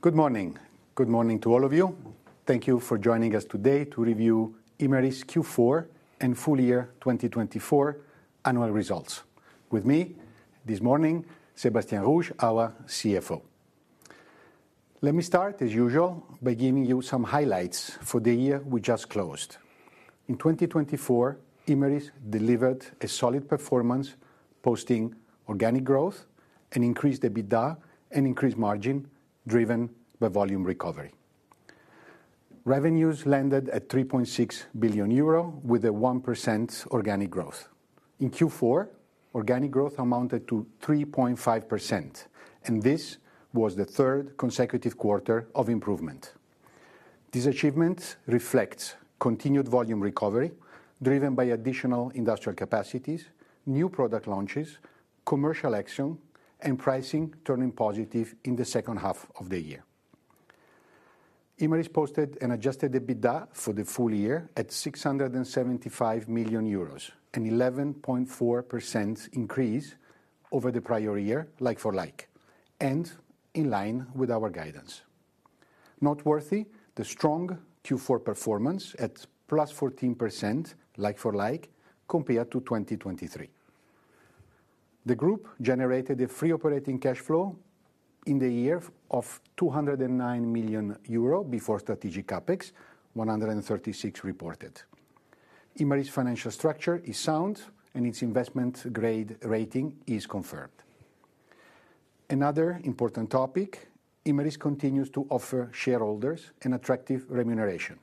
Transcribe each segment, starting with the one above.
Good morning. Good morning to all of you. Thank you for joining us today to review Imerys Q4 and full year 2024 annual results. With me this morning, Sébastien Rouge, our CFO. Let me start, as usual, by giving you some highlights for the year we just closed. In 2024, Imerys delivered a solid performance, posting organic growth, an increased EBITDA, and increased margin driven by volume recovery. Revenues landed at 3.6 billion euro, with a 1% organic growth. In Q4, organic growth amounted to 3.5%, and this was the third consecutive quarter of improvement. This achievement reflects continued volume recovery driven by additional industrial capacities, new product launches, commercial action, and pricing turning positive in the second half of the year. Imerys posted an adjusted EBITDA for the full year at 675 million euros, an 11.4% increase over the prior year, like-for-like, and in line with our guidance. Noteworthy, the strong Q4 performance at plus 14%, like-for-like, compared to 2023. The group generated a free operating cash flow in the year of 209 million euro before strategic capex, 136 reported. Imerys' financial structure is sound, and its investment grade rating is confirmed. Another important topic: Imerys continues to offer shareholders an attractive remuneration.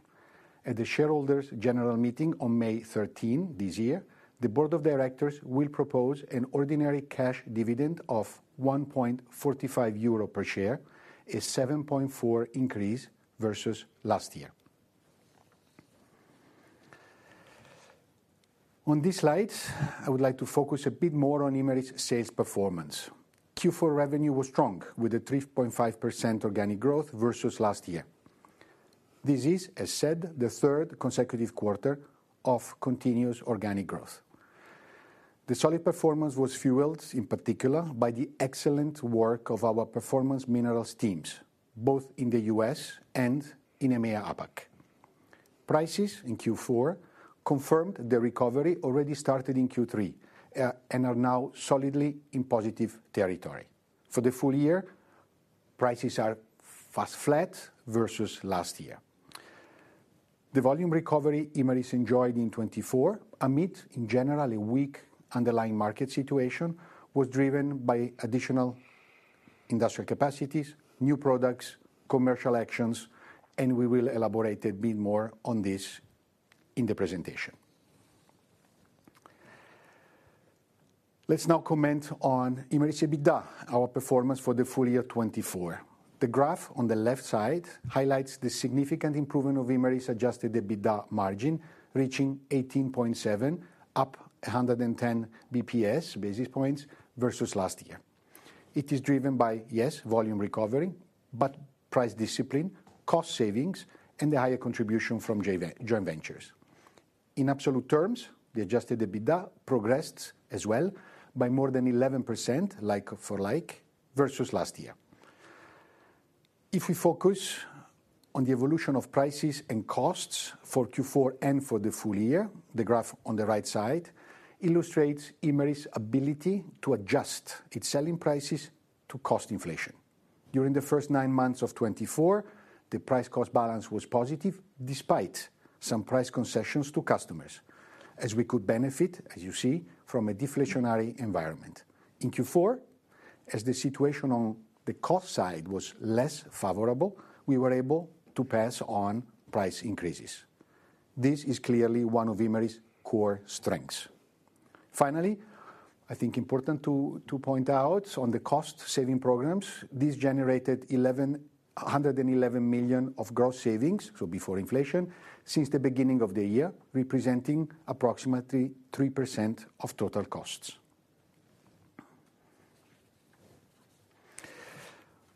At the shareholders' general meeting on May 13 this year, the board of directors will propose an ordinary cash dividend of 1.45 euro per share, a 7.4% increase versus last year. On these slides, I would like to focus a bit more on Imerys' sales performance. Q4 revenue was strong, with a 3.5% organic growth versus last year. This is, as said, the third consecutive quarter of continuous organic growth. The solid performance was fueled, in particular, by the excellent work of our performance minerals teams, both in the U.S. and in EMEA, APAC. Prices in Q4 confirmed the recovery already started in Q3 and are now solidly in positive territory. For the full year, prices are flat versus last year. The volume recovery Imerys enjoyed in 2024, amid, in general, a weak underlying market situation, was driven by additional industrial capacities, new products, commercial actions, and we will elaborate a bit more on this in the presentation. Let's now comment on Imerys' EBITDA, our performance for the full year 2024. The graph on the left side highlights the significant improvement of Imerys' adjusted EBITDA margin, reaching 18.7%, up 110 basis points versus last year. It is driven by, yes, volume recovery, but price discipline, cost savings, and the higher contribution from joint ventures. In absolute terms, the adjusted EBITDA progressed as well by more than 11%, like-for-like, versus last year. If we focus on the evolution of prices and costs for Q4 and for the full year, the graph on the right side illustrates Imerys' ability to adjust its selling prices to cost inflation. During the first nine months of 2024, the price-cost balance was positive despite some price concessions to customers, as we could benefit, as you see, from a deflationary environment. In Q4, as the situation on the cost side was less favorable, we were able to pass on price increases. This is clearly one of Imerys' core strengths. Finally, I think important to point out on the cost saving programs, this generated 111 million of gross savings, so before inflation, since the beginning of the year, representing approximately 3% of total costs.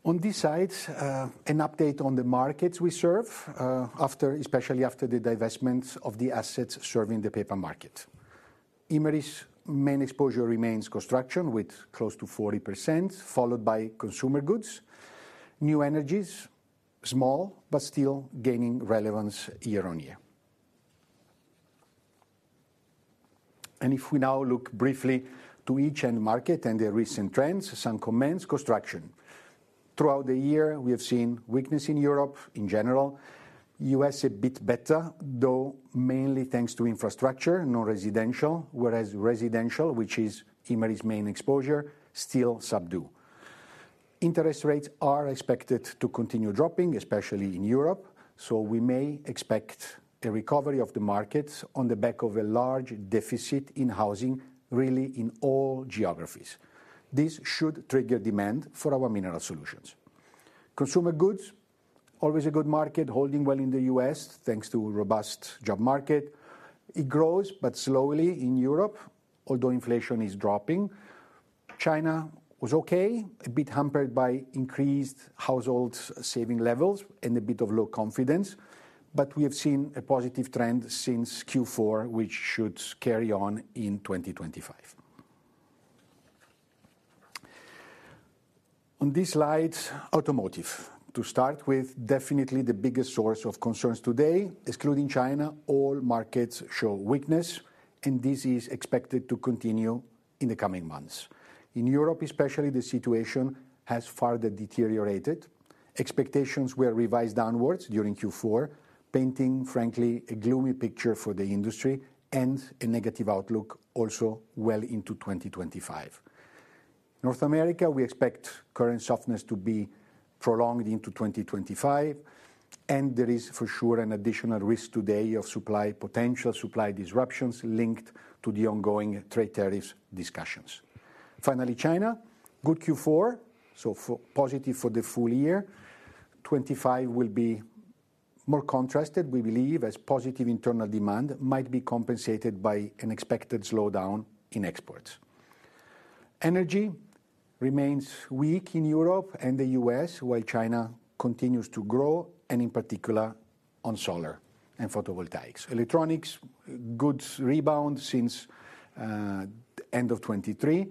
On these sides, an update on the markets we serve, especially after the divestment of the assets serving the paper market. Imerys' main exposure remains construction, with close to 40%, followed by consumer goods, new energies, small but still gaining relevance year on year, and if we now look briefly to each end market and their recent trends, some comments: construction. Throughout the year, we have seen weakness in Europe in general. The U.S. a bit better, though mainly thanks to infrastructure, non-residential, whereas residential, which is Imerys' main exposure, still subdued. Interest rates are expected to continue dropping, especially in Europe, so we may expect a recovery of the markets on the back of a large deficit in housing, really in all geographies. This should trigger demand for our mineral solutions. Consumer goods, always a good market, holding well in the U.S. thanks to a robust job market. It grows but slowly in Europe, although inflation is dropping. China was okay, a bit hampered by increased household saving levels and a bit of low confidence, but we have seen a positive trend since Q4, which should carry on in 2025. On these slides, automotive, to start with, definitely the biggest source of concerns today. Excluding China, all markets show weakness, and this is expected to continue in the coming months. In Europe, especially, the situation has further deteriorated. Expectations were revised downwards during Q4, painting, frankly, a gloomy picture for the industry and a negative outlook also well into 2025. North America, we expect current softness to be prolonged into 2025, and there is for sure an additional risk today of potential supply disruptions linked to the ongoing trade tariffs discussions. Finally, China, good Q4, so positive for the full year. 2025 will be more contrasted, we believe, as positive internal demand might be compensated by an expected slowdown in exports. Energy remains weak in Europe and the U.S., while China continues to grow, and in particular on solar and photovoltaics. Electronics goods rebound since the end of 2023.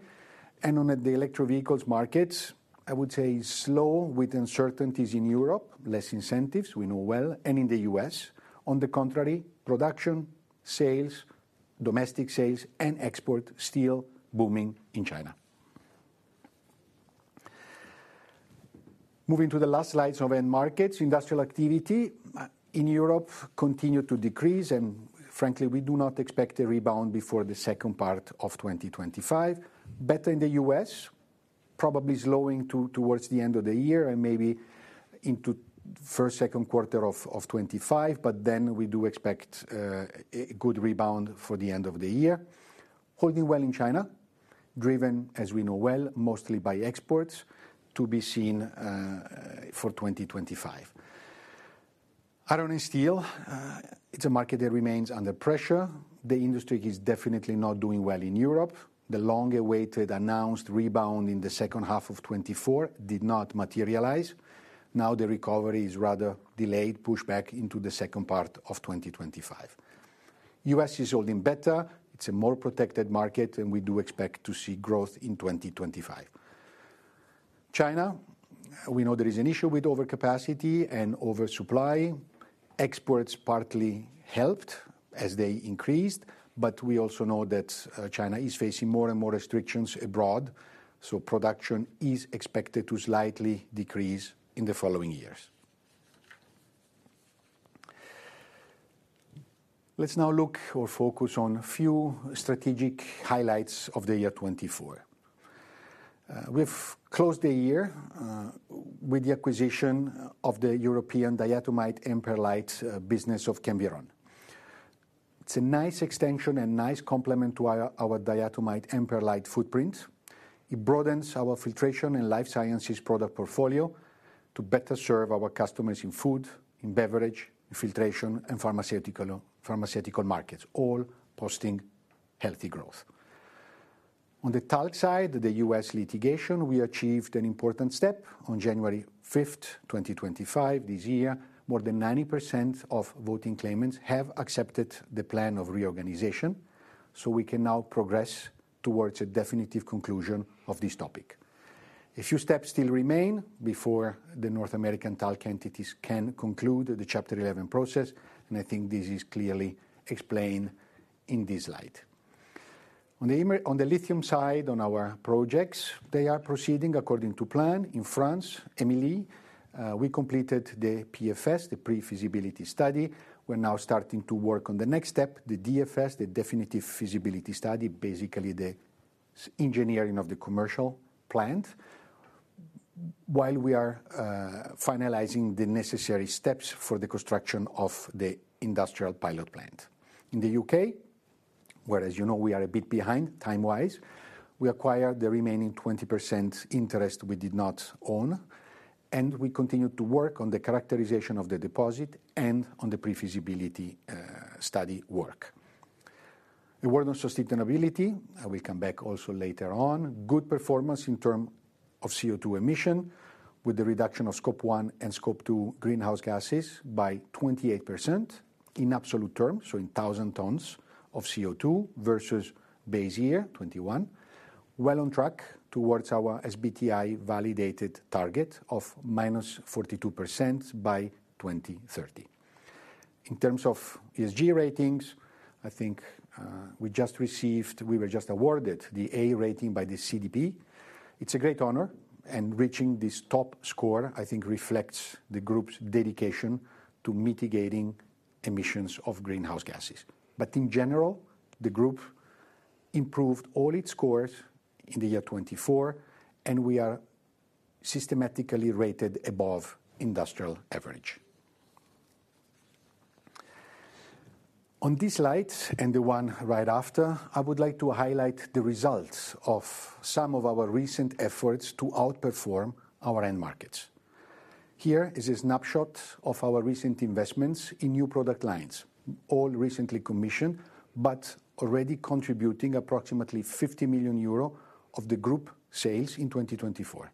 On the electric vehicles markets, I would say slow with uncertainties in Europe, less incentives, we know well, and in the U.S. On the contrary, production, sales, domestic sales, and exports still booming in China. Moving to the last slides of end markets, industrial activity in Europe continued to decrease, and frankly, we do not expect a rebound before the second part of 2025. Better in the U.S., probably slowing towards the end of the year and maybe into the first, second quarter of 2025, but then we do expect a good rebound for the end of the year. Holding well in China, driven, as we know well, mostly by exports to be seen for 2025. Iron and steel, it's a market that remains under pressure. The industry is definitely not doing well in Europe. The long-awaited announced rebound in the second half of 2024 did not materialize. Now the recovery is rather delayed, pushed back into the second part of 2025. U.S. is holding better. It's a more protected market, and we do expect to see growth in 2025. China, we know there is an issue with overcapacity and oversupply. Exports partly helped as they increased, but we also know that China is facing more and more restrictions abroad, so production is expected to slightly decrease in the following years. Let's now look or focus on a few strategic highlights of the year 2024. We have closed the year with the acquisition of the European diatomite and perlite business of Chemviron. It's a nice extension and nice complement to our diatomite and perlite footprint. It broadens our filtration and life sciences product portfolio to better serve our customers in food, in beverage, in filtration, and pharmaceutical markets, all posting healthy growth. On the talc side, the U.S. litigation, we achieved an important step on January 5, 2025, this year. More than 90% of voting claimants have accepted the plan of reorganization, so we can now progress towards a definitive conclusion of this topic. A few steps still remain before the North American talc entities can conclude the Chapter 11 process, and I think this is clearly explained in this slide. On the lithium side, on our projects, they are proceeding according to plan. In France, EMILI, we completed the PFS, the Pre Feasibility Study. We're now starting to work on the next step, the DFS, the Definitive Feasibility Study, basically the engineering of the commercial plant, while we are finalizing the necessary steps for the construction of the industrial pilot plant. In the U.K., whereas you know we are a bit behind time-wise, we acquired the remaining 20% interest we did not own, and we continue to work on the characterization of the deposit and on the pre-feasibility study work. Awareness of sustainability, I will come back also later on. Good performance in terms of CO2 emissions with the reduction of Scope 1 and Scope 2 greenhouse gases by 28% in absolute terms, so in 1,000 tons of CO2 versus base year 2021. Well on track towards our SBTi validated target of minus 42% by 2030. In terms of ESG ratings, I think we just received, we were just awarded the A rating by the CDP. It's a great honor, and reaching this top score, I think, reflects the group's dedication to mitigating emissions of greenhouse gases. But in general, the group improved all its scores in the year 2024, and we are systematically rated above industrial average. On these slides and the one right after, I would like to highlight the results of some of our recent efforts to outperform our end markets. Here is a snapshot of our recent investments in new product lines, all recently commissioned, but already contributing approximately 50 million euro of the group sales in 2024.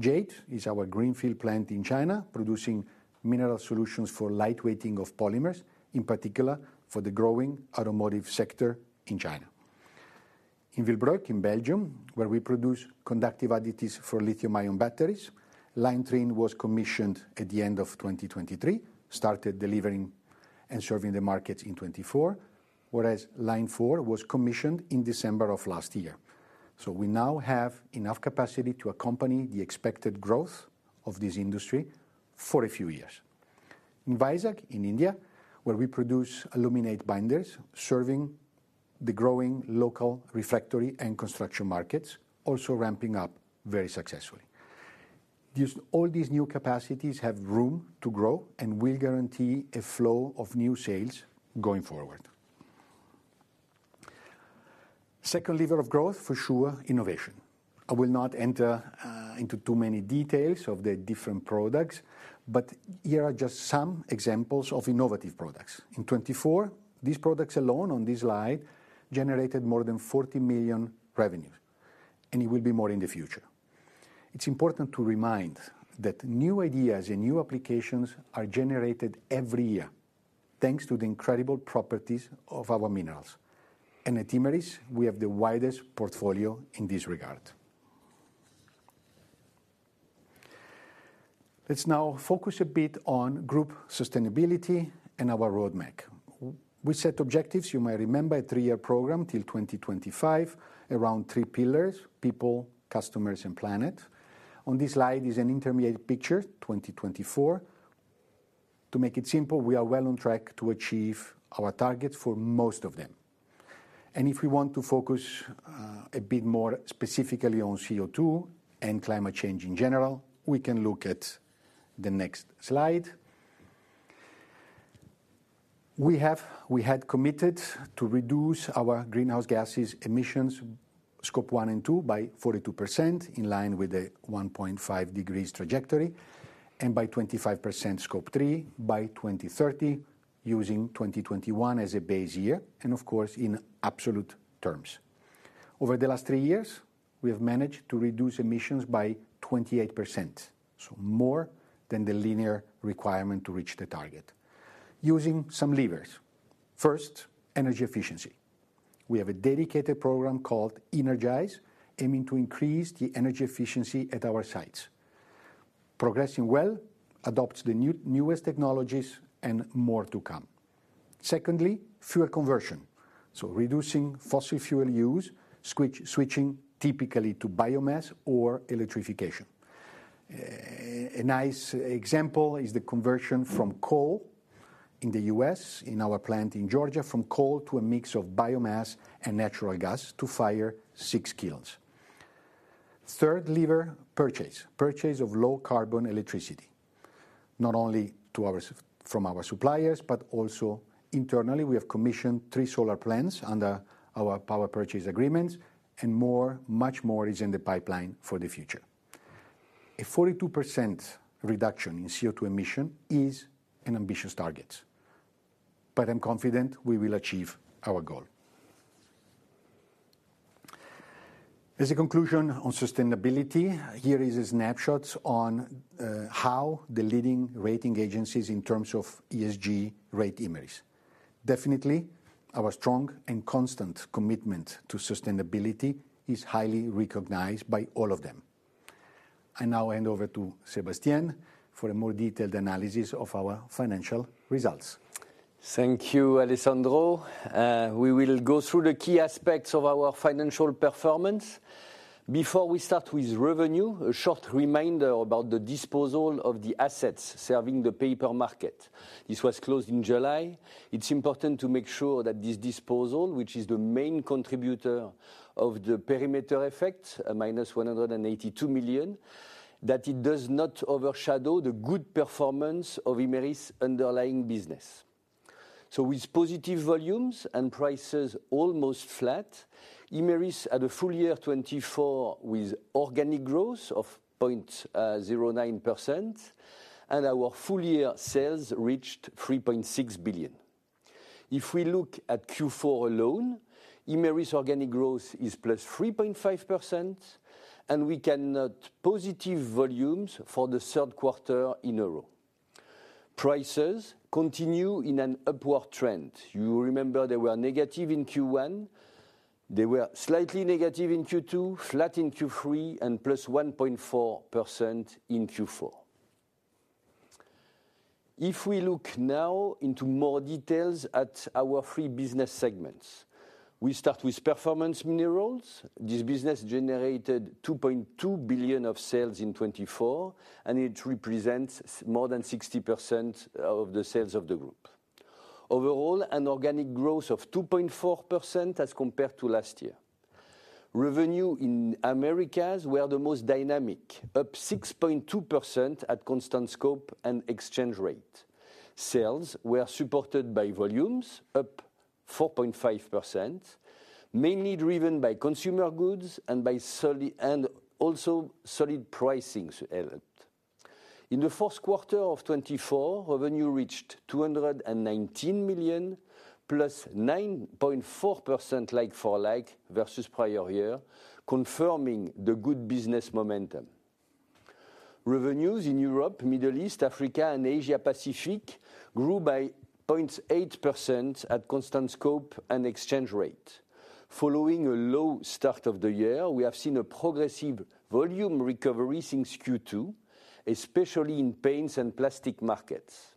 Jade is our greenfield plant in China, producing mineral solutions for lightweighting of polymers, in particular for the growing automotive sector in China. In Willebroek, in Belgium, where we produce conductive additives for lithium-ion batteries, line three was commissioned at the end of 2023, started delivering and serving the markets in 2024, whereas line four was commissioned in December of last year. So we now have enough capacity to accompany the expected growth of this industry for a few years. In Vizag, in India, where we produce aluminate binders, serving the growing local refractory and construction markets, also ramping up very successfully. All these new capacities have room to grow and will guarantee a flow of new sales going forward. Second lever of growth, for sure, innovation. I will not enter into too many details of the different products, but here are just some examples of innovative products. In 2024, these products alone on this slide generated more than 40 million revenues, and it will be more in the future. It's important to remind that new ideas and new applications are generated every year thanks to the incredible properties of our minerals. And at Imerys, we have the widest portfolio in this regard. Let's now focus a bit on group sustainability and our roadmap. We set objectives, you might remember, a three-year program till 2025, around three pillars: people, customers, and planet. On this slide is an intermediate picture, 2024. To make it simple, we are well on track to achieve our targets for most of them. And if we want to focus a bit more specifically on CO2 and climate change in general, we can look at the next slide. We had committed to reduce our greenhouse gases emissions, Scope 1 and 2, by 42%, in line with the 1.5 degrees trajectory, and by 25%, Scope 3, by 2030, using 2021 as a base year, and of course, in absolute terms. Over the last three years, we have managed to reduce emissions by 28%, so more than the linear requirement to reach the target. Using some levers. First, energy efficiency. We have a dedicated program called Energize, aiming to increase the energy efficiency at our sites. Progressing well, adopt the newest technologies and more to come. Secondly, fuel conversion. So reducing fossil fuel use, switching typically to biomass or electrification. A nice example is the conversion from coal in the U.S., in our plant in Georgia, from coal to a mix of biomass and natural gas to fire six kilns. Third lever, purchase. Purchase of low-carbon electricity. Not only from our suppliers, but also internally, we have commissioned three solar plants under our power purchase agreements, and more, much more is in the pipeline for the future. A 42% reduction in CO2 emission is an ambitious target, but I'm confident we will achieve our goal. As a conclusion on sustainability, here is a snapshot on how the leading rating agencies in terms of ESG rate Imerys. Definitely, our strong and constant commitment to sustainability is highly recognized by all of them. I now hand over to Sébastien for a more detailed analysis of our financial results. Thank you, Alessandro. We will go through the key aspects of our financial performance. Before we start with revenue, a short reminder about the disposal of the assets serving the paper market. This was closed in July. It's important to make sure that this disposal, which is the main contributor of the perimeter effect, -182 million, that it does not overshadow the good performance of Imerys' underlying business. So with positive volumes and prices almost flat, Imerys had a full year 2024 with organic growth of 0.09%, and our full year sales reached 3.6 billion. If we look at Q4 alone, Imerys' organic growth is +3.5%, and we can note positive volumes for the third quarter in euro. Prices continue in an upward trend. You remember they were negative in Q1. They were slightly negative in Q2, flat in Q3, and +1.4% in Q4. If we look now into more details at our three business segments, we start with Performance Minerals. This business generated 2.2 billion of sales in 2024, and it represents more than 60% of the sales of the group. Overall, an organic growth of 2.4% as compared to last year. Revenue in Americas were the most dynamic, up 6.2% at constant scope and exchange rate. Sales were supported by volumes, up 4.5%, mainly driven by consumer goods and also solid pricing helped. In the fourth quarter of 2024, revenue reached 219 million, plus 9.4% like-for-like versus prior year, confirming the good business momentum. Revenues in Europe, Middle East, Africa, and Asia-Pacific grew by 0.8% at constant scope and exchange rate. Following a low start of the year, we have seen a progressive volume recovery since Q2, especially in paints and plastic markets.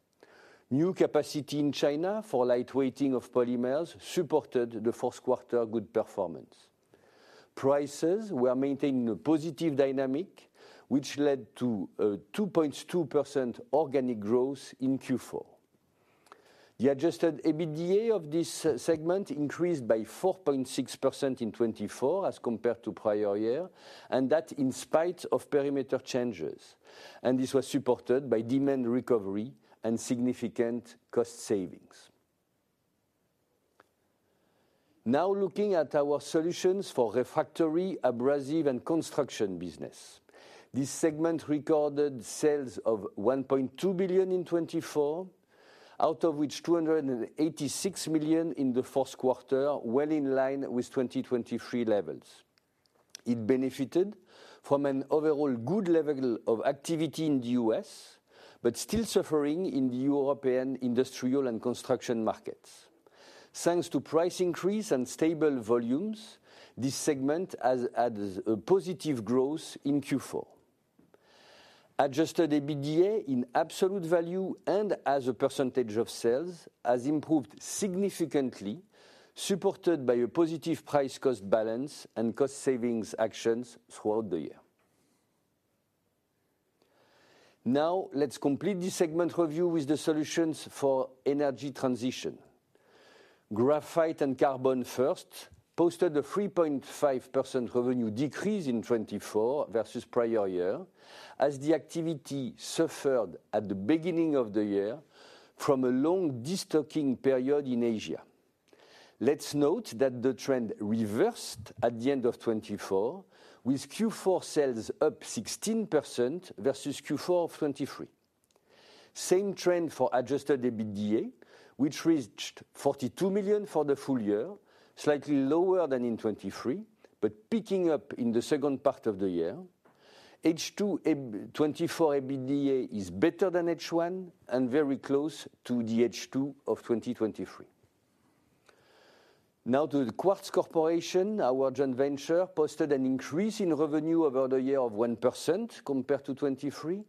New capacity in China for lightweighting of polymers supported the fourth quarter good performance. Prices were maintaining a positive dynamic, which led to a 2.2% organic growth in Q4. The Adjusted EBITDA of this segment increased by 4.6% in 2024 as compared to prior year, and that in spite of perimeter changes. And this was supported by demand recovery and significant cost savings. Now looking at our solutions for refractory, abrasive, and construction business. This segment recorded sales of 1.2 billion in 2024, out of which 286 million in the fourth quarter, well in line with 2023 levels. It benefited from an overall good level of activity in the U.S., but still suffering in the European industrial and construction markets. Thanks to price increase and stable volumes, this segment has had a positive growth in Q4. Adjusted EBITDA in absolute value and as a % of sales has improved significantly, supported by a positive price-cost balance and cost savings actions throughout the year. Now let's complete this segment review with the solutions for energy transition. Graphite and Carbon first posted a 3.5% revenue decrease in 2024 versus prior year, as the activity suffered at the beginning of the year from a long destocking period in Asia. Let's note that the trend reversed at the end of 2024, with Q4 sales up 16% versus Q4 of 2023. Same trend for adjusted EBITDA, which reached 42 million for the full year, slightly lower than in 2023, but picking up in the second part of the year. H2 2024 EBITDA is better than H1 and very close to the H2 of 2023. Now to The Quartz Corporation, our joint venture posted an increase in revenue over the year of 1% compared to 2023.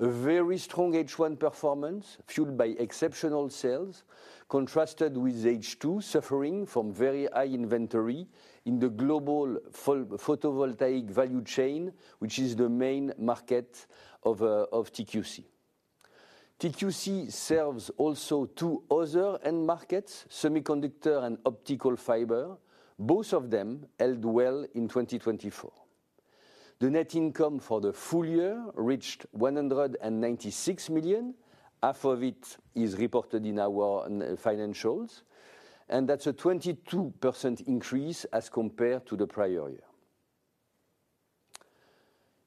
A very strong H1 performance fueled by exceptional sales, contrasted with H2 suffering from very high inventory in the global photovoltaic value chain, which is the main market of TQC. TQC serves also two other end markets, semiconductor and optical fiber, both of them held well in 2024. The net income for the full year reached 196 million. Half of it is reported in our financials, and that's a 22% increase as compared to the prior year.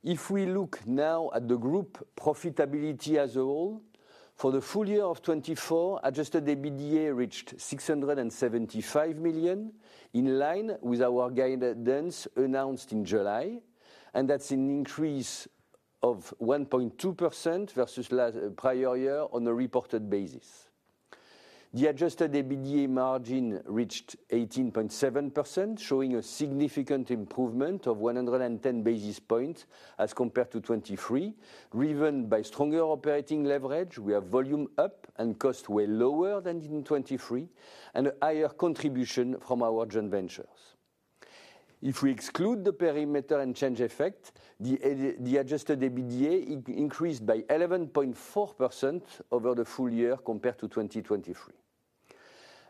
If we look now at the group profitability as a whole, for the full year of 2024, Adjusted EBITDA reached 675 million, in line with our guidance announced in July, and that's an increase of 1.2% versus prior year on a reported basis. The Adjusted EBITDA margin reached 18.7%, showing a significant improvement of 110 basis points as compared to 2023, driven by stronger operating leverage. We have volume up and cost way lower than in 2023, and a higher contribution from our joint ventures. If we exclude the perimeter and exchange effect, the adjusted EBITDA increased by 11.4% over the full year compared to 2023.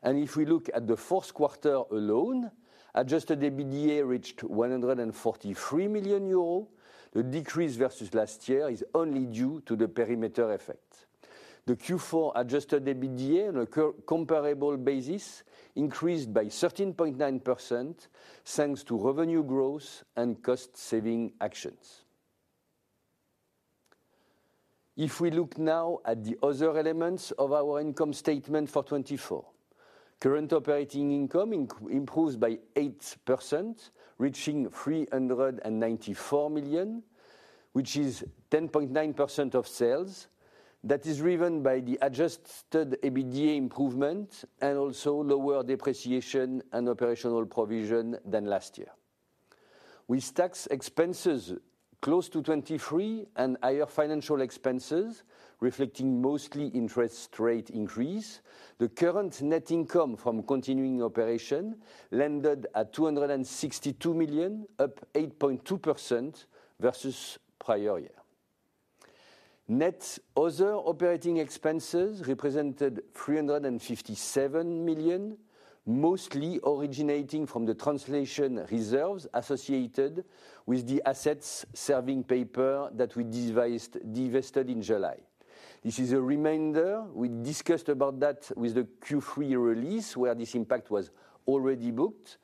And if we look at the fourth quarter alone, adjusted EBITDA reached 143 million euros. The decrease versus last year is only due to the perimeter effect. The Q4 adjusted EBITDA on a comparable basis increased by 13.9%, thanks to revenue growth and cost-saving actions. If we look now at the other elements of our income statement for 2024, current operating income improved by 8%, reaching 394 million, which is 10.9% of sales. That is driven by the adjusted EBITDA improvement and also lower depreciation and operational provision than last year. With tax expenses close to 2023 and higher financial expenses reflecting mostly interest rate increase, the current net income from continuing operations landed at 262 million, up 8.2% versus prior year. Net other operating expenses represented 357 million, mostly originating from the translation reserves associated with the assets serving paper that we divested in July. This is a reminder. We discussed about that with the Q3 release where this impact was already booked.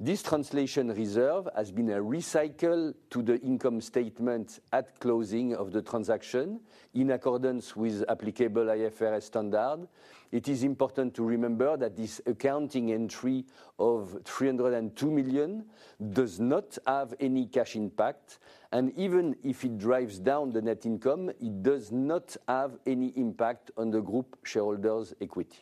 This translation reserve has been recycled to the income statement at closing of the transaction in accordance with applicable IFRS standard. It is important to remember that this accounting entry of 302 million does not have any cash impact, and even if it drives down the net income, it does not have any impact on the group shareholders' equity.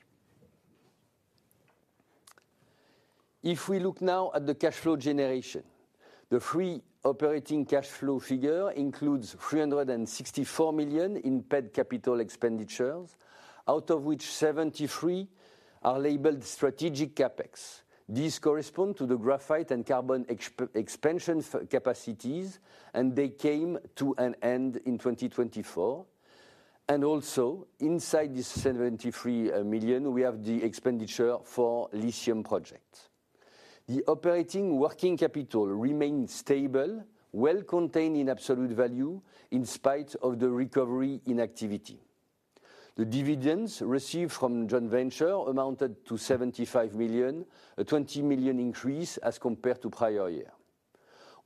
If we look now at the cash flow generation, the free operating cash flow figure includes 364 million in net capital expenditures, out of which 73 million are labeled strategic capex. These correspond to The Graphite and Carbon expansion capacities, and they came to an end in 2024. And also, inside this 73 million, we have the expenditure for lithium projects. The operating working capital remained stable, well contained in absolute value in spite of the recovery in activity. The dividends received from joint venture amounted to 75 million, a 20 million increase as compared to prior year.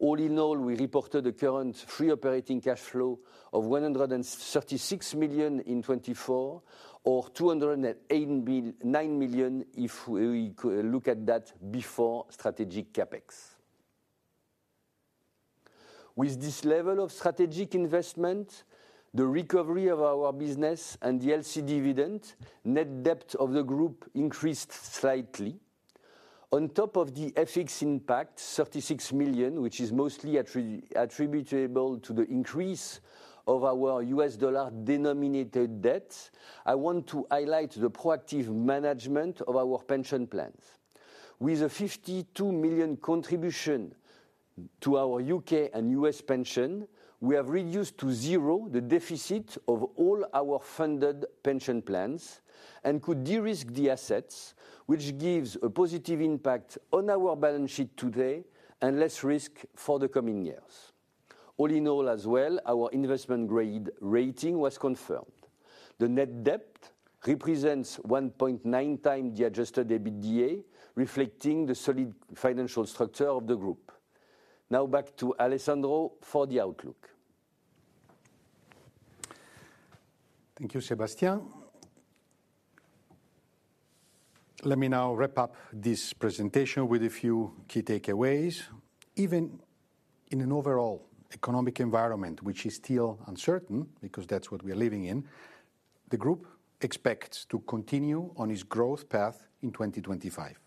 All in all, we reported a current free operating cash flow of 136 million in 2024, or 209 million if we look at that before strategic capex. With this level of strategic investment, the recovery of our business and the GBL dividend net debt of the group increased slightly. On top of the FX impact, 36 million, which is mostly attributable to the increase of our US dollar denominated debt, I want to highlight the proactive management of our pension plans. With a 52 million contribution to our U.K. and U.S. pension, we have reduced to zero the deficit of all our funded pension plans and could de-risk the assets, which gives a positive impact on our balance sheet today and less risk for the coming years. All in all, as well, our investment grade rating was confirmed. The net debt represents 1.9 times the Adjusted EBITDA, reflecting the solid financial structure of the group. Now back to Alessandro for the outlook. Thank you, Sébastien. Let me now wrap up this presentation with a few key takeaways. Even in an overall economic environment, which is still uncertain, because that's what we are living in, the group expects to continue on its growth path in 2025.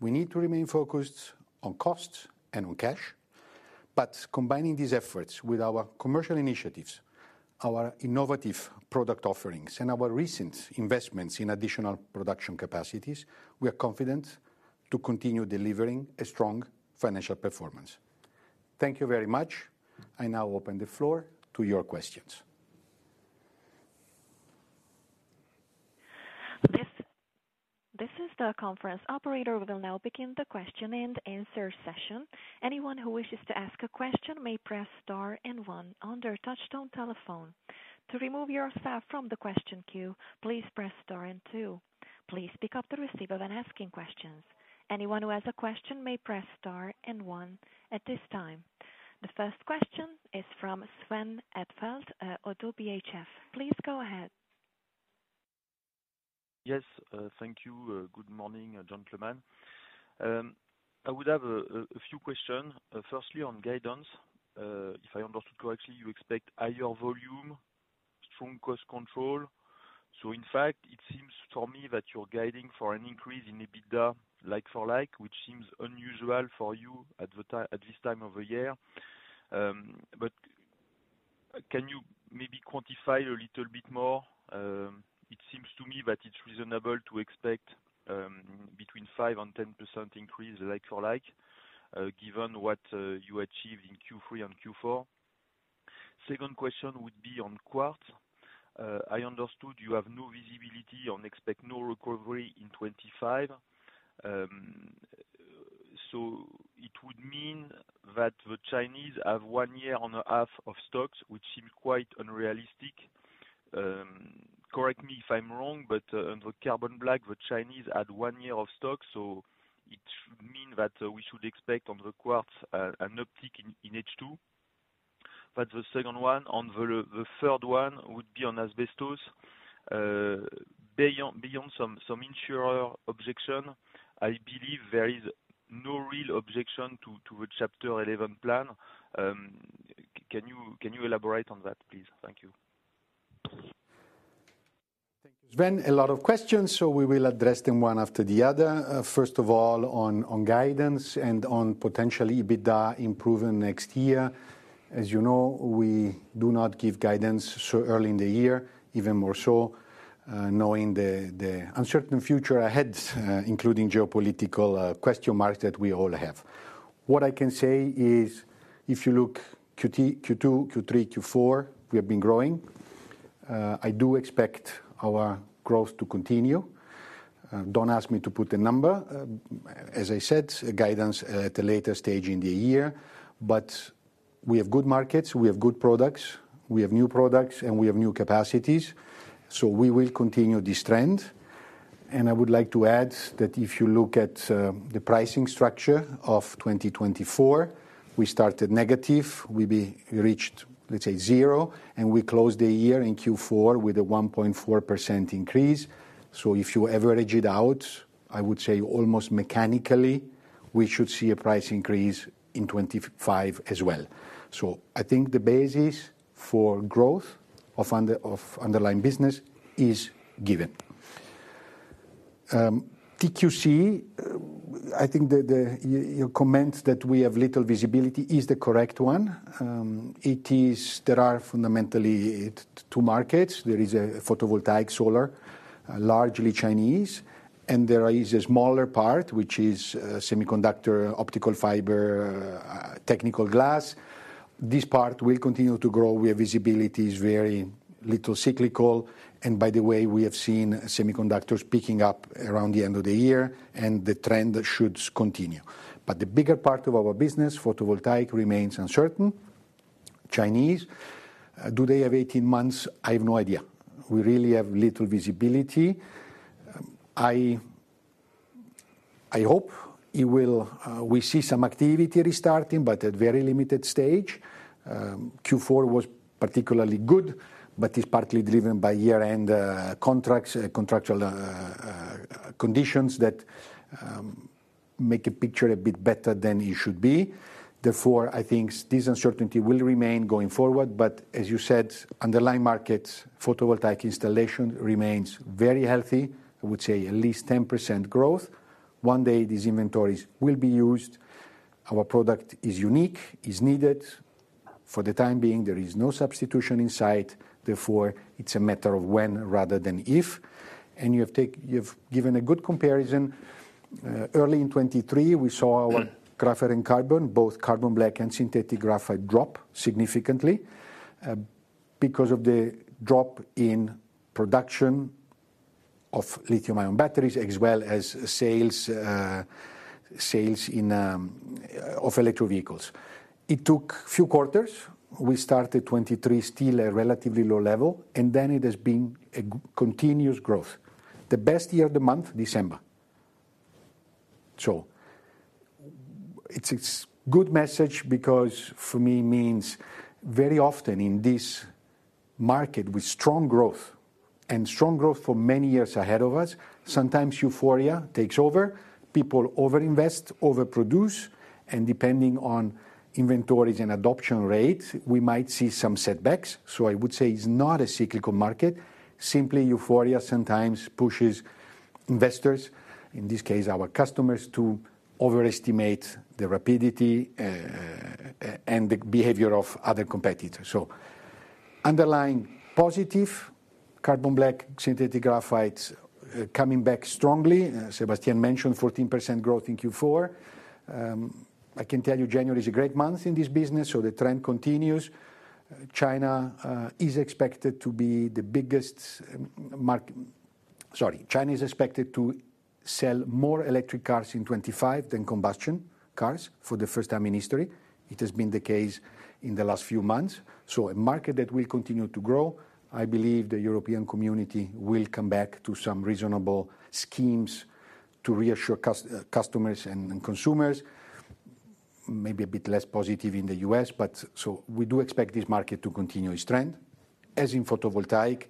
We need to remain focused on costs and on cash, but combining these efforts with our commercial initiatives, our innovative product offerings, and our recent investments in additional production capacities, we are confident to continue delivering a strong financial performance. Thank you very much. I now open the floor to your questions. This is the conference operator. We will now begin the question and answer session. Anyone who wishes to ask a question may press star and one on their touch-tone telephone. To remove yourself from the question queue, please press star and two. Please pick up the receiver when asking questions. Anyone who has a question may press star and one at this time. The first question is from Sven Edelfelt at ODDO BHF. Please go ahead. Yes, thank you. Good morning, gentlemen. I would have a few questions. Firstly, on guidance, if I understood correctly, you expect higher volume, strong cost control. So, in fact, it seems to me that you're guiding for an increase in EBITDA like-for-like, which seems unusual for you at this time of the year. But can you maybe quantify a little bit more? It seems to me that it's reasonable to expect between 5%-10% increase like-for-like, given what you achieved in Q3 and Q4. Second question would be on quartz. I understood you have no visibility, expect no recovery in 2025. So it would mean that the Chinese have one year and a half of stocks, which seems quite unrealistic. Correct me if I'm wrong, but on the carbon black, the Chinese had one year of stocks. So it should mean that we should expect on the quartz an uptick in H2. But the second one, the third one would be on asbestos. Beyond some insurer objection, I believe there is no real objection to the Chapter 11 plan. Can you elaborate on that, please? Thank you. Thank you, Sven. A lot of questions, so we will address them one after the other. First of all, on guidance and on potentially EBITDA improving next year. As you know, we do not give guidance so early in the year, even more so knowing the uncertain future ahead, including geopolitical question marks that we all have. What I can say is, if you look Q2, Q3, Q4, we have been growing. I do expect our growth to continue. Don't ask me to put a number. As I said, guidance at a later stage in the year, but we have good markets, we have good products, we have new products, and we have new capacities. So we will continue this trend. And I would like to add that if you look at the pricing structure of 2024, we started negative. We reached, let's say, zero, and we closed the year in Q4 with a 1.4% increase. So if you average it out, I would say almost mechanically, we should see a price increase in 2025 as well. So I think the basis for growth of underlying business is given. TQC, I think your comment that we have little visibility is the correct one. There are fundamentally two markets. There is a photovoltaic solar, largely Chinese, and there is a smaller part, which is semiconductor, optical fiber, technical glass. This part will continue to grow. We have visibility is very little cyclical. And by the way, we have seen semiconductors picking up around the end of the year, and the trend should continue. But the bigger part of our business, photovoltaic, remains uncertain. Chinese, do they have 18 months? I have no idea. We really have little visibility. I hope we see some activity restarting, but at a very limited stage. Q4 was particularly good, but it's partly driven by year-end contracts, contractual conditions that make a picture a bit better than it should be. Therefore, I think this uncertainty will remain going forward. But as you said, underlying markets, photovoltaic installation remains very healthy. I would say at least 10% growth. One day, these inventories will be used. Our product is unique, is needed. For the time being, there is no substitution in sight. Therefore, it's a matter of when rather than if. And you have given a good comparison. Early in 2023, we saw our Graphite and Carbon, both carbon black and synthetic graphite, drop significantly because of the drop in production of lithium-ion batteries, as well as sales of electric vehicles. It took a few quarters. We started 2023 still at a relatively low level, and then it has been a continuous growth. The best year of the month, December. So it's a good message because for me means very often in this market with strong growth and strong growth for many years ahead of us, sometimes euphoria takes over. People overinvest, overproduce, and depending on inventories and adoption rates, we might see some setbacks. So I would say it's not a cyclical market. Simply euphoria sometimes pushes investors, in this case our customers, to overestimate the rapidity and the behavior of other competitors. So underlying positive, carbon black, synthetic graphites coming back strongly. Sébastien mentioned 14% growth in Q4. I can tell you January is a great month in this business, so the trend continues. China is expected to be the biggest market. Sorry, China is expected to sell more electric cars in 2025 than combustion cars for the first time in history. It has been the case in the last few months. So a market that will continue to grow. I believe the European community will come back to some reasonable schemes to reassure customers and consumers. Maybe a bit less positive in the U.S., but so we do expect this market to continue its trend, as in photovoltaic.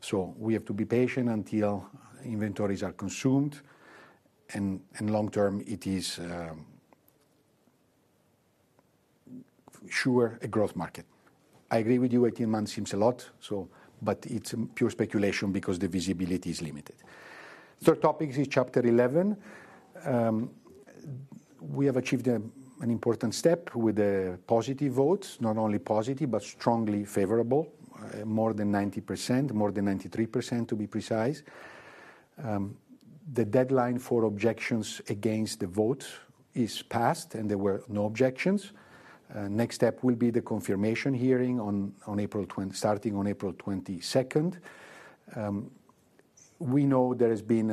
So we have to be patient until inventories are consumed, and long term, it is sure a growth market. I agree with you, 18 months seems a lot, but it's pure speculation because the visibility is limited. Third topic is Chapter 11. We have achieved an important step with positive votes, not only positive, but strongly favorable, more than 90%, more than 93% to be precise. The deadline for objections against the vote is passed, and there were no objections. Next step will be the confirmation hearing starting on April 22nd. We know there has been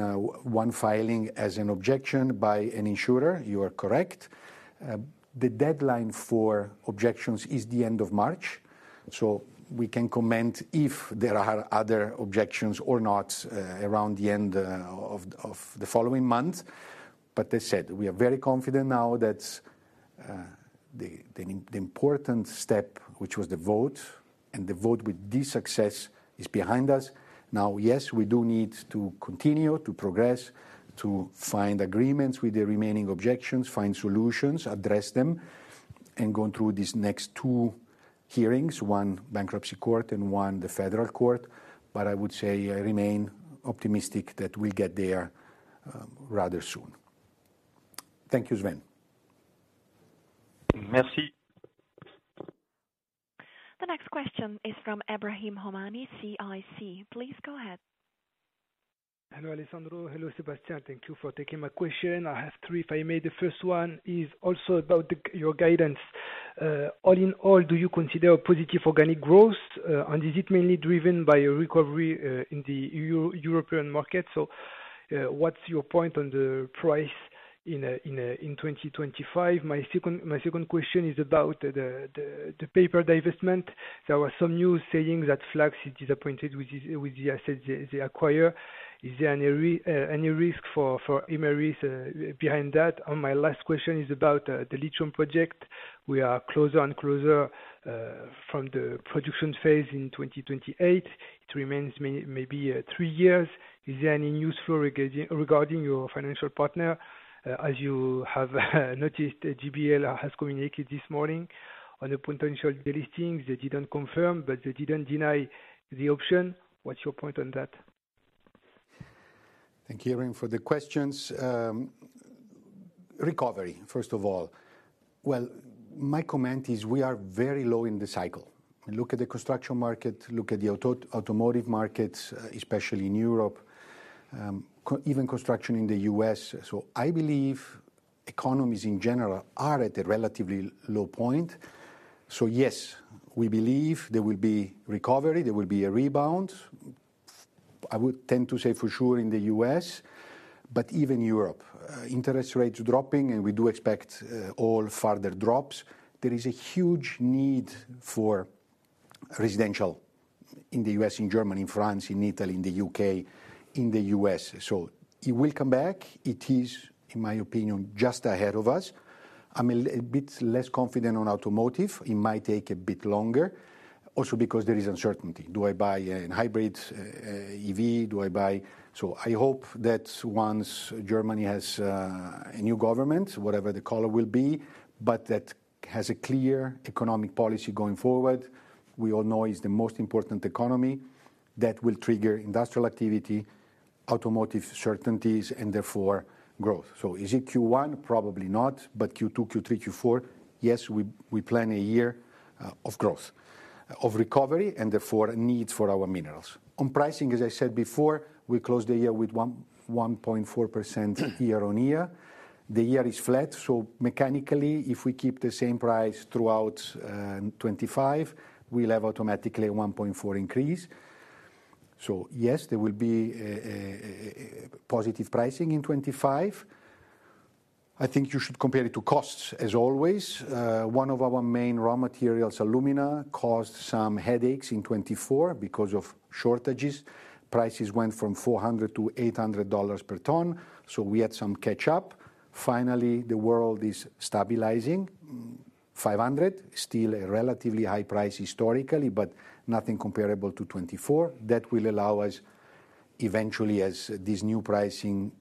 one filing as an objection by an insurer. You are correct. The deadline for objections is the end of March. So we can comment if there are other objections or not around the end of the following month. But as I said, we are very confident now that the important step, which was the vote, and the vote with this success is behind us. Now, yes, we do need to continue to progress, to find agreements with the remaining objections, find solutions, address them, and go through these next two hearings, one bankruptcy court and one the federal court. But I would say I remain optimistic that we'll get there rather soon. Thank you, Sven. Merci. The next question is from Ebrahim Homani, CIC. Please go ahead. Hello Alessandro. Hello Sébastien. Thank you for taking my question. I have three. If I may, the first one is also about your guidance. All in all, do you consider positive organic growth, and is it mainly driven by a recovery in the European market? So what's your point on the price in 2025? My second question is about the paper divestment. There were some news saying that FLSmidth is disappointed with the assets they acquire. Is there any risk for Imerys behind that? My last question is about the lithium project. We are closer and closer to the production phase in 2028. It remains maybe three years. Is there any news flow regarding your financial partner? As you have noticed, GBL has communicated this morning on a potential delisting. They didn't confirm, but they didn't deny the option. What's your point on that? Thank you for the questions. Recovery, first of all. Well, my comment is we are very low in the cycle. Look at the construction market, look at the automotive markets, especially in Europe, even construction in the U.S. So I believe economies in general are at a relatively low point. So yes, we believe there will be recovery, there will be a rebound. I would tend to say for sure in the U.S., but even Europe, interest rates dropping, and we do expect all further drops. There is a huge need for residential in the U.S., in Germany, in France, in Italy, in the U.K., in the U.S. So it will come back. It is, in my opinion, just ahead of us. I'm a bit less confident on automotive. It might take a bit longer, also because there is uncertainty. Do I buy a hybrid EV? Do I buy? So I hope that once Germany has a new government, whatever the color will be, but that has a clear economic policy going forward. We all know it's the most important economy that will trigger industrial activity, automotive certainties, and therefore growth. So is it Q1? Probably not. But Q2, Q3, Q4, yes, we plan a year of growth, of recovery, and therefore needs for our minerals. On pricing, as I said before, we closed the year with 1.4% year on year. The year is flat. Mechanically, if we keep the same price throughout 2025, we'll have automatically a 1.4% increase. Yes, there will be positive pricing in 2025. I think you should compare it to costs, as always. One of our main raw materials, alumina, caused some headaches in 2024 because of shortages. Prices went from $400-$800 per ton. So we had some catch-up. Finally, the world is stabilizing. $500, still a relatively high price historically, but nothing comparable to 2024. That will allow us eventually, as this new pricing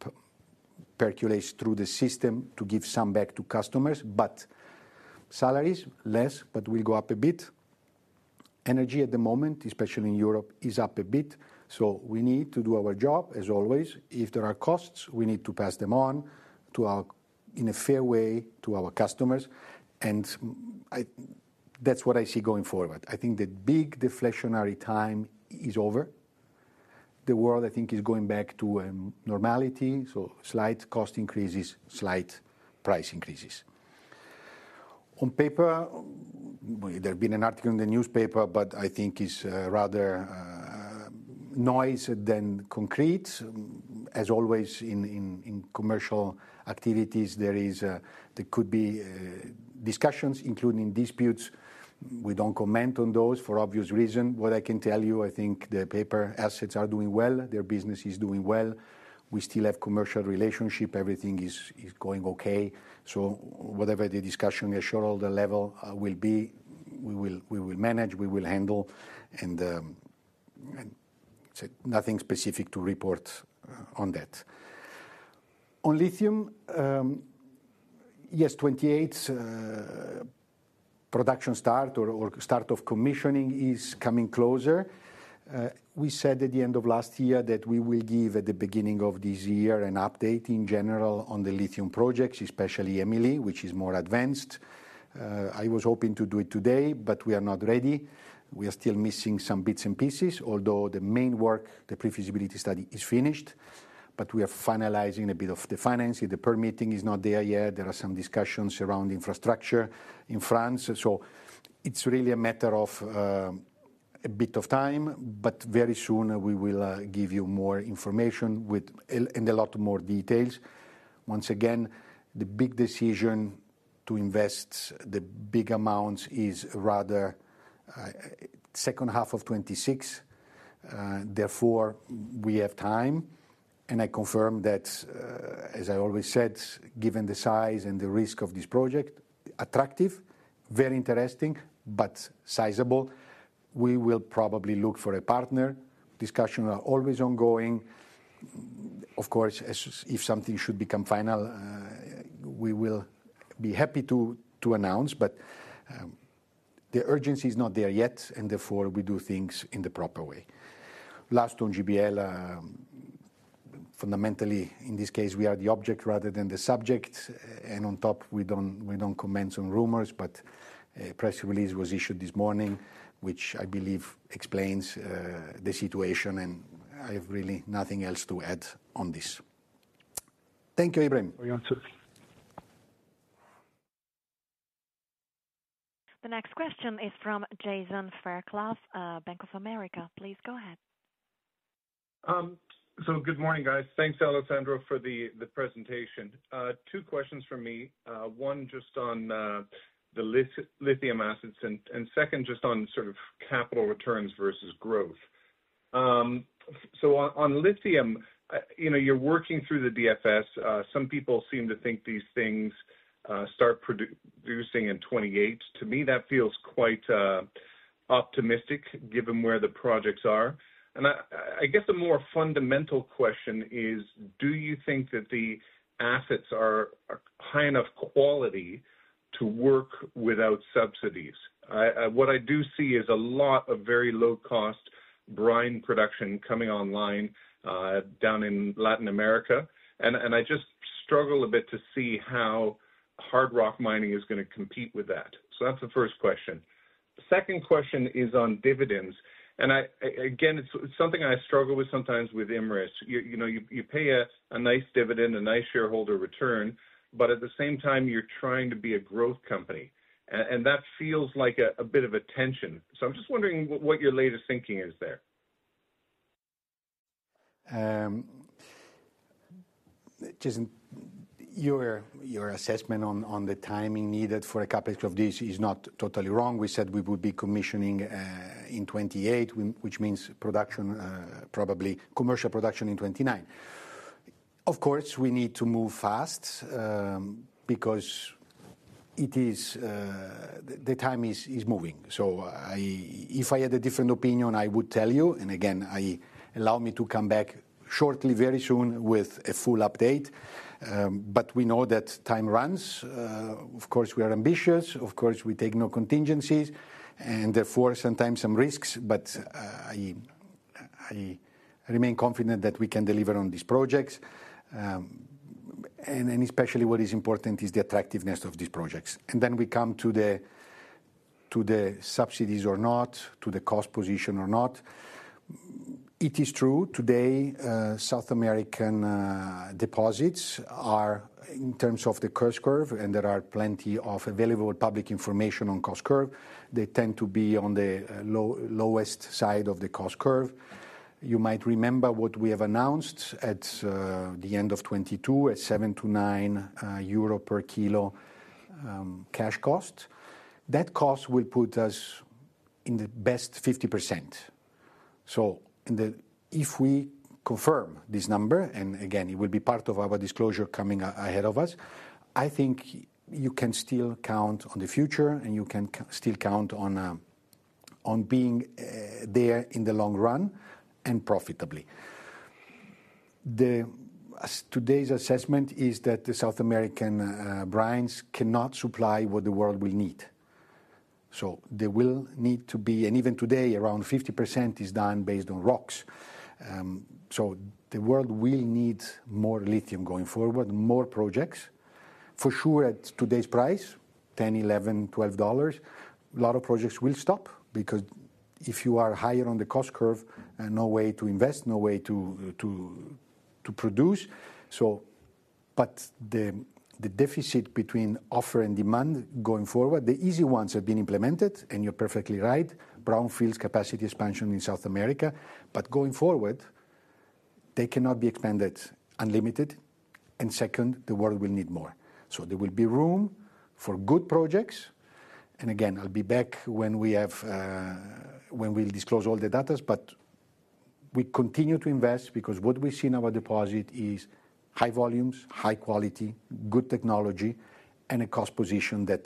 percolates through the system, to give some back to customers. But salaries less, but will go up a bit. Energy at the moment, especially in Europe, is up a bit. So we need to do our job, as always. If there are costs, we need to pass them on in a fair way to our customers. And that's what I see going forward. I think the big deflationary time is over. The world, I think, is going back to normality. So slight cost increases, slight price increases. On paper, there has been an article in the newspaper, but I think it's rather noise than concrete. As always, in commercial activities, there could be discussions, including disputes. We don't comment on those for obvious reasons. What I can tell you, I think the paper assets are doing well. Their business is doing well. We still have commercial relationship. Everything is going okay. So whatever the discussion at short order level will be, we will manage, we will handle. And nothing specific to report on that. On lithium, yes, 2028 production start or start of commissioning is coming closer. We said at the end of last year that we will give at the beginning of this year an update in general on the lithium projects, especially EMILI, which is more advanced. I was hoping to do it today, but we are not ready. We are still missing some bits and pieces, although the main work, the pre-feasibility study is finished. But we are finalizing a bit of the financing. The permitting is not there yet. There are some discussions around infrastructure in France. So it's really a matter of a bit of time, but very soon we will give you more information and a lot more details. Once again, the big decision to invest the big amounts is rather second half of 2026. Therefore, we have time. And I confirm that, as I always said, given the size and the risk of this project, attractive, very interesting, but sizable. We will probably look for a partner. Discussions are always ongoing. Of course, if something should become final, we will be happy to announce, but the urgency is not there yet, and therefore we do things in the proper way. Last on GBL, fundamentally, in this case, we are the object rather than the subject. And on top, we don't comment on rumors, but a press release was issued this morning, which I believe explains the situation. And I have really nothing else to add on this. Thank you, Ebrahim. Thank you. The next question is from Jason Fairclough, Bank of America. Please go ahead. So good morning, guys. Thanks, Alessandro, for the presentation. Two questions for me. One just on the lithium assets and second just on sort of capital returns versus growth. So on lithium, you're working through the DFS. Some people seem to think these things start producing in 2028. To me, that feels quite optimistic given where the projects are. And I guess the more fundamental question is, do you think that the assets are high enough quality to work without subsidies? What I do see is a lot of very low-cost brine production coming online down in Latin America. And I just struggle a bit to see how hard rock mining is going to compete with that. So that's the first question. The second question is on dividends. And again, it's something I struggle with sometimes with Imerys. You pay a nice dividend, a nice shareholder return, but at the same time, you're trying to be a growth company. And that feels like a bit of a tension. So I'm just wondering what your latest thinking is there. Jason, your assessment on the timing needed for a couple of these is not totally wrong. We said we would be commissioning in 2028, which means production, probably commercial production in 2029. Of course, we need to move fast because the time is moving. So if I had a different opinion, I would tell you. And again, allow me to come back shortly, very soon with a full update. But we know that time runs. Of course, we are ambitious. Of course, we take no contingencies. And therefore, sometimes some risks, but I remain confident that we can deliver on these projects. And especially what is important is the attractiveness of these projects. And then we come to the subsidies or not, to the cost position or not. It is true today. South American deposits are in terms of the cost curve, and there are plenty of available public information on cost curve. They tend to be on the lowest side of the cost curve. You might remember what we have announced at the end of 2022, a 7-9 euro per kilo cash cost. That cost will put us in the best 50%. So if we confirm this number, and again, it will be part of our disclosure coming ahead of us, I think you can still count on the future and you can still count on being there in the long run and profitably. Today's assessment is that the South American brines cannot supply what the world will need. So there will need to be, and even today, around 50% is done based on rocks. So the world will need more lithium going forward, more projects. For sure, at today's price, $10, $11, $12, a lot of projects will stop because if you are higher on the cost curve, no way to invest, no way to produce. But the deficit between offer and demand going forward, the easy ones have been implemented, and you're perfectly right, brownfields, capacity expansion in South America. But going forward, they cannot be expanded unlimited. And second, the world will need more. So there will be room for good projects. And again, I'll be back when we disclose all the data, but we continue to invest because what we see in our deposit is high volumes, high quality, good technology, and a cost position that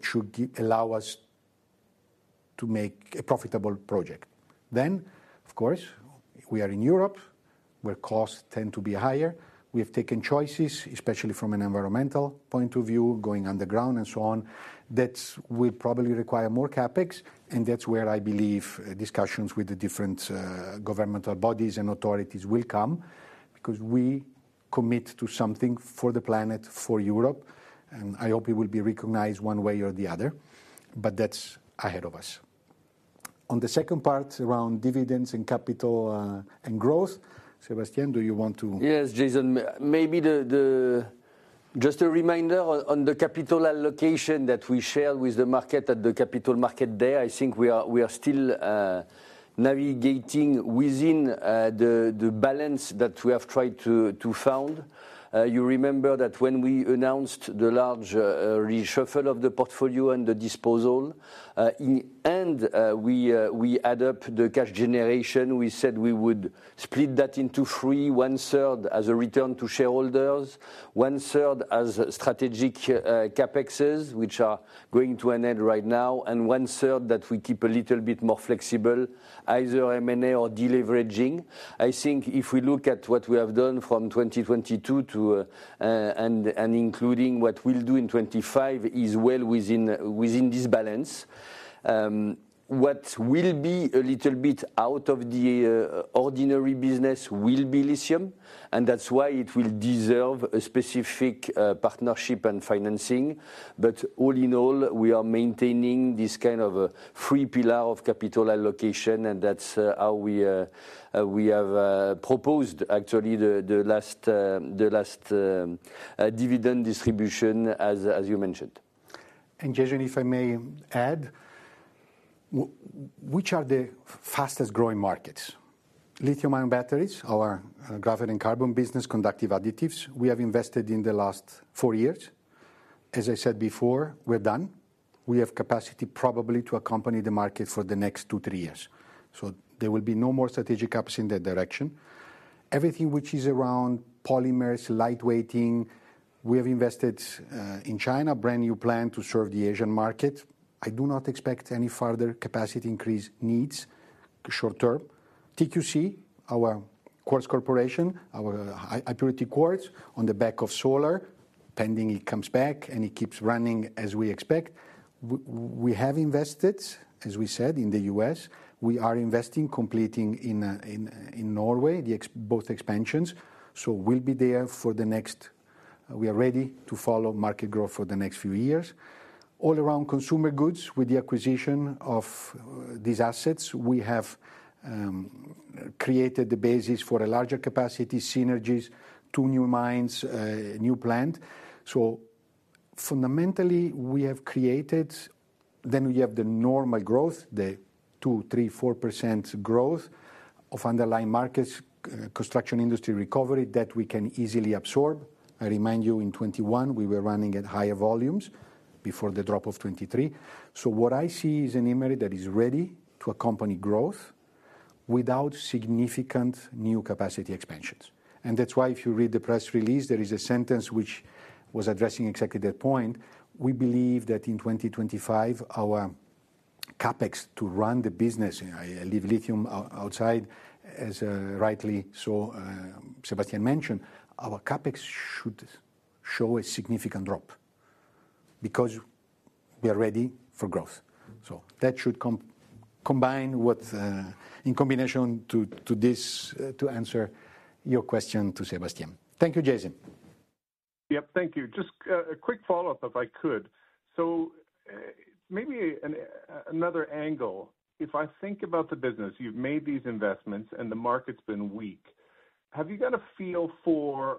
should allow us to make a profitable project. Then, of course, we are in Europe where costs tend to be higher. We have taken choices, especially from an environmental point of view, going underground and so on. That will probably require more capex. And that's where I believe discussions with the different governmental bodies and authorities will come because we commit to something for the planet, for Europe. And I hope it will be recognized one way or the other, but that's ahead of us. On the second part around dividends and capital and growth, Sébastien, do you want to? Yes, Jason, maybe just a reminder on the capital allocation that we share with the market at the capital market there. I think we are still navigating within the balance that we have tried to find. You remember that when we announced the large reshuffle of the portfolio and the disposal, and if we add up the cash generation, we said we would split that into three, one-third as a return to shareholders, one-third as strategic capex, which are coming to an end right now, and one-third that we keep a little bit more flexible, either M&A or deleveraging. I think if we look at what we have done from 2022 and including what we'll do in 2025 is well within this balance. What will be a little bit out of the ordinary business will be lithium. And that's why it will deserve a specific partnership and financing. But all in all, we are maintaining this kind of a three-pillar of capital allocation, and that's how we have proposed actually the last dividend distribution, as you mentioned. Jason, if I may add, which are the fastest growing markets? Lithium-ion batteries, our Graphite and Carbon business, conductive additives. We have invested in the last four years. As I said before, we're done. We have capacity probably to accompany the market for the next two, three years. So there will be no more strategic capex in that direction. Everything which is around polymers, lightweighting, we have invested in China, brand new plant to serve the Asian market. I do not expect any further capacity increase in the short term. TQC, our Quartz Corporation, our high-purity quartz on the back of solar, pending it comes back and it keeps running as we expect. We have invested, as we said, in the U.S. We are investing currently in Norway, both expansions. So we'll be there for the next. We are ready to follow market growth for the next few years. All around consumer goods, with the acquisition of these assets, we have created the basis for a larger capacity synergies, two new mines, new plant. So fundamentally, we have created. Then we have the normal growth, the 2%-4% growth of underlying markets, construction industry recovery that we can easily absorb. I remind you in 2021, we were running at higher volumes before the drop of 2023. What I see is an Imerys that is ready to accompany growth without significant new capacity expansions. That's why if you read the press release, there is a sentence which was addressing exactly that point. We believe that in 2025, our capex to run the business, I leave lithium outside as rightly so Sébastien mentioned, our capex should show a significant drop because we are ready for growth. So that should combine what in combination to answer your question to Sébastien. Thank you, Jason. Yep, thank you. Just a quick follow-up if I could. So maybe another angle. If I think about the business, you've made these investments and the market's been weak. Have you got a feel for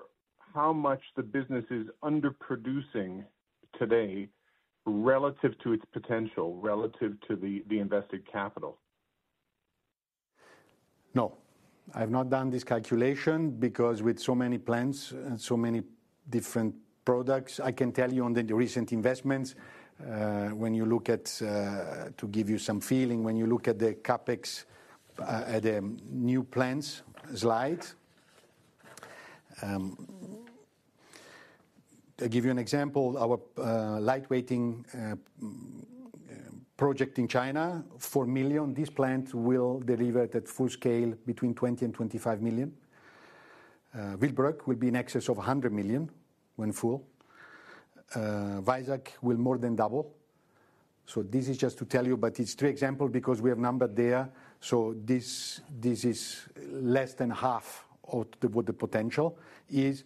how much the business is underproducing today relative to its potential, relative to the invested capital? No. I've not done this calculation because with so many plants and so many different products, I can tell you on the recent investments, when you look at, to give you some feeling, when you look at the capex at the new plants slide. I'll give you an example. Our lightweighting project in China, 4 million, this plant will deliver at full scale between 20 million and 25 million. Willebroek will be in excess of 100 million when full. Vizag will more than double. So, this is just to tell you, but it's three examples because we have numbered there. So, this is less than half of what the potential is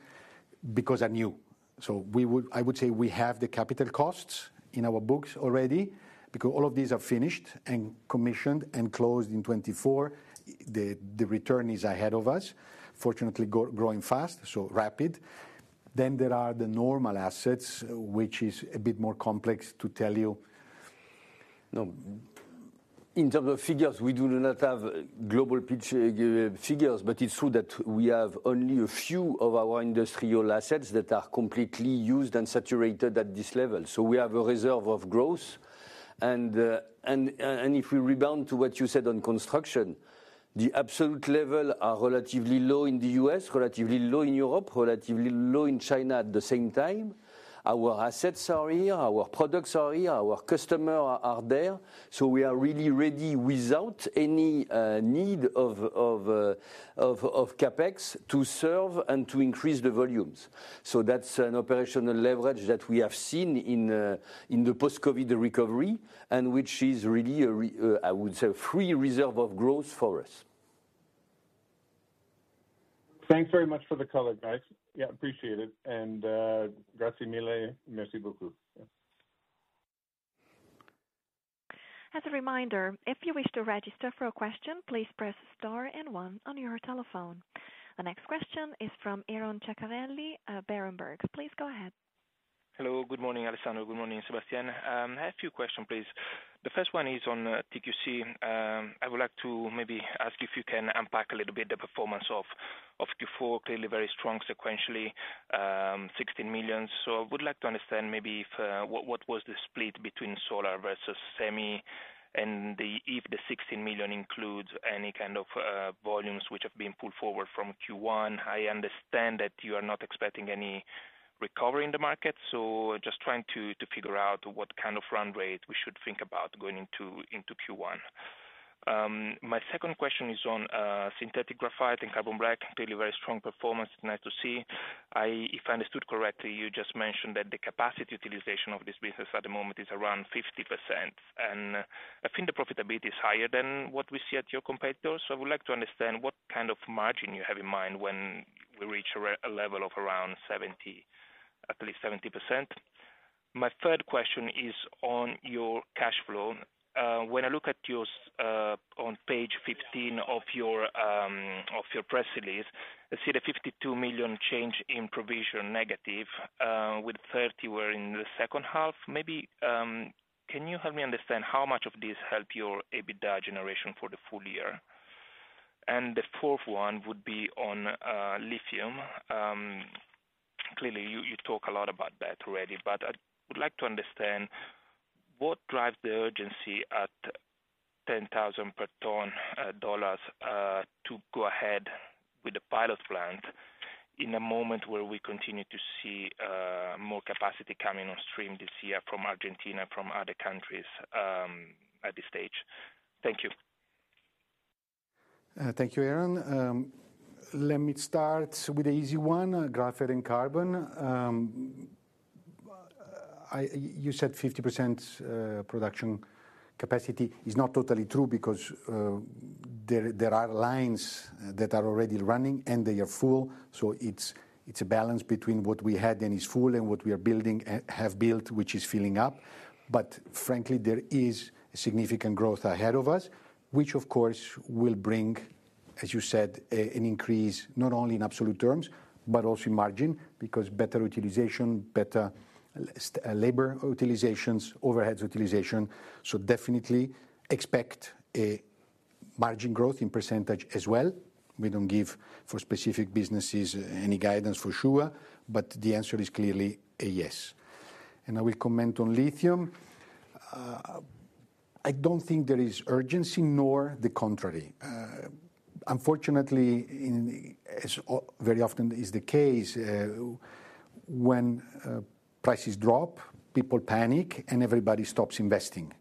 because they're new. So, I would say we have the capital costs in our books already because all of these are finished and commissioned and closed in 2024. The return is ahead of us. Fortunately, growing fast, so rapid. Then, there are the normal assets, which is a bit more complex to tell you. In terms of figures, we do not have global figures, but it's true that we have only a few of our industrial assets that are completely used and saturated at this level. So, we have a reserve of growth. And if we rebound to what you said on construction, the absolute level are relatively low in the U.S., relatively low in Europe, relatively low in China at the same time. Our assets are here, our products are here, our customers are there. So we are really ready without any need of capex to serve and to increase the volumes. So that's an operational leverage that we have seen in the post-COVID recovery and which is really, I would say, a free reserve of growth for us. Thanks very much for the color, guys. Yeah, appreciate it. And grazie mille, merci beaucoup. As a reminder, if you wish to register for a question, please press star and one on your telephone. The next question is from Aron Ceccarelli, Berenberg. Please go ahead. Hello, good morning, Alessandro. Good morning, Sébastien. I have a few questions, please. The first one is on TQC. I would like to maybe ask you if you can unpack a little bit the performance of Q4, clearly very strong sequentially, 16 million. So I would like to understand maybe what was the split between solar versus semi and if the 16 million includes any kind of volumes which have been pulled forward from Q1. I understand that you are not expecting any recovery in the market. So just trying to figure out what kind of run rate we should think about going into Q1. My second question is on synthetic graphite and carbon black, clearly very strong performance, nice to see. If I understood correctly, you just mentioned that the capacity utilization of this business at the moment is around 50%. And I think the profitability is higher than what we see at your competitors. So I would like to understand what kind of margin you have in mind when we reach a level of around 70, at least 70%. My third question is on your cash flow. When I look at yours on page 15 of your press release, I see the 52 million change in provision negative, with 30 in the second half. Maybe can you help me understand how much of this helped your EBITDA generation for the full year? And the fourth one would be on lithium. Clearly, you talk a lot about that already, but I would like to understand what drives the urgency at $10,000 per ton to go ahead with the pilot plant in a moment where we continue to see more capacity coming on stream this year from Argentina and from other countries at this stage. Thank you. Thank you, Aron. Let me start with the easy one, Graphite and Carbon. You said 50% production capacity. It's not totally true because there are lines that are already running and they are full. So it's a balance between what we had and is full and what we have built, which is filling up. But frankly, there is significant growth ahead of us, which of course will bring, as you said, an increase not only in absolute terms, but also in margin because better utilization, better labor utilizations, overhead utilization. So definitely expect margin growth in percentage as well. We don't give for specific businesses any guidance for sure, but the answer is clearly a yes. And I will comment on lithium. I don't think there is urgency nor the contrary. Unfortunately, as very often is the case, when prices drop, people panic and everybody stops investing.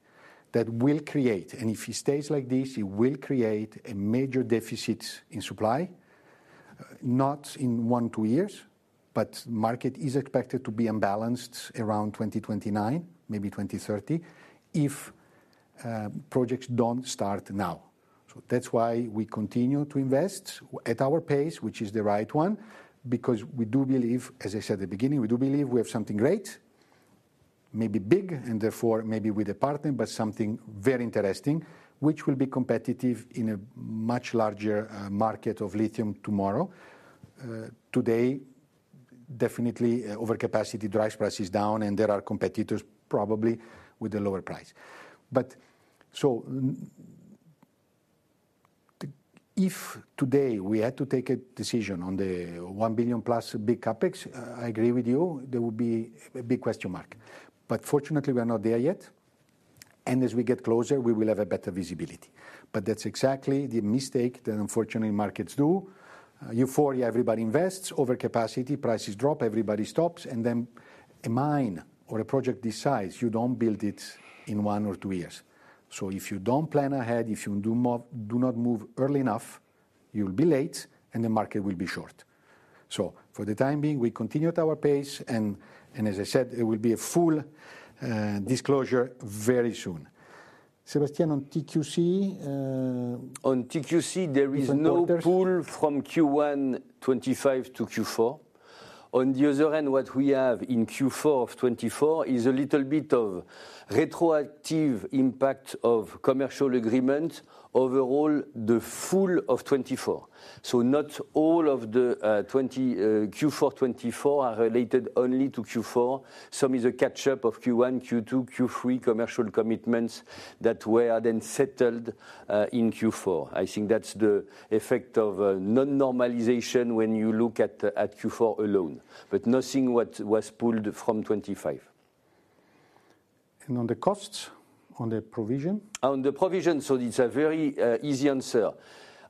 That will create, and if it stays like this, it will create a major deficit in supply, not in one or two years, but the market is expected to be imbalanced around 2029, maybe 2030, if projects don't start now. So that's why we continue to invest at our pace, which is the right one, because we do believe, as I said at the beginning, we do believe we have something great, maybe big, and therefore maybe with a partner, but something very interesting, which will be competitive in a much larger market of lithium tomorrow. Today, definitely overcapacity drives prices down, and there are competitors probably with a lower price. But so if today we had to take a decision on the 1 billion plus big capex, I agree with you, there would be a big question mark. But fortunately, we are not there yet. As we get closer, we will have a better visibility. But that's exactly the mistake that unfortunately markets do. Euphoria, everybody invests, overcapacity, prices drop, everybody stops. And then a mine or a project this size, you don't build it in one or two years. So if you don't plan ahead, if you do not move early enough, you'll be late and the market will be short. So for the time being, we continue at our pace. And as I said, it will be a full disclosure very soon. Sébastien, on TQC? On TQC, there is no pull from Q1 2025 to Q4. On the other hand, what we have in Q4 of 2024 is a little bit of retroactive impact of commercial agreements overall the full of 2024. So not all of the Q4 2024 are related only to Q4. Some is a catch-up of Q1, Q2, Q3 commercial commitments that were then settled in Q4. I think that's the effect of non-normalization when you look at Q4 alone, but nothing what was pulled from 2025. And on the costs, on the provision? On the provision, so it's a very easy answer.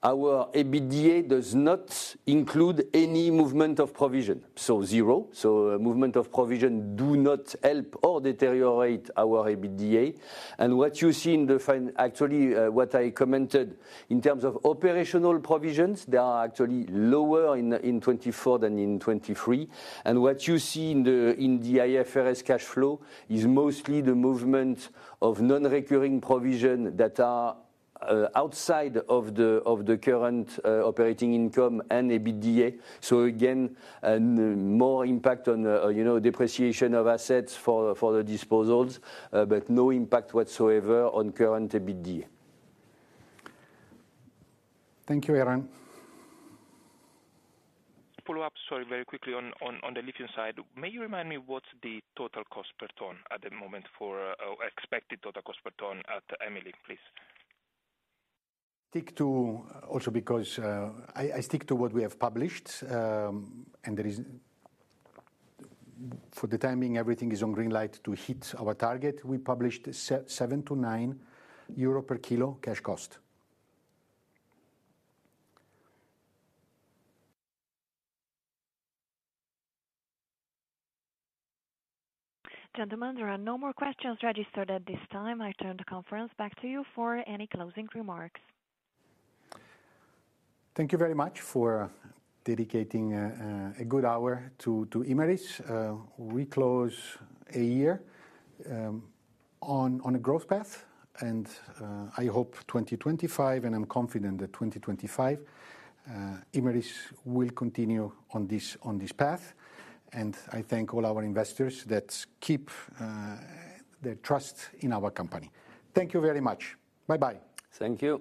Our EBITDA does not include any movement of provision, so zero. So movement of provision do not help or deteriorate our EBITDA. And what you see in the final, actually what I commented in terms of operational provisions, they are actually lower in 2024 than in 2023. And what you see in the IFRS cash flow is mostly the movement of non-recurring provision that are outside of the current operating income and EBITDA. So again, more impact on depreciation of assets for the disposals, but no impact whatsoever on current EBITDA. Thank you, Aron. Follow-up, sorry, very quickly on the lithium side. May you remind me what's the total cost per ton at the moment for expected total cost per ton at EMILI, please? Stick to also because I stick to what we have published. And for the time being, everything is on green light to hit our target. We published 7- 9 euro per kilo cash cost. Gentlemen, there are no more questions registered at this time. I turn the conference back to you for any closing remarks. Thank you very much for dedicating a good hour to Imerys. We close a year on a growth path. I hope 2025, and I'm confident that 2025, Imerys will continue on this path. I thank all our investors that keep their trust in our company. Thank you very much. Bye-bye. Thank you.